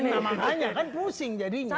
namanya kan pusing jadinya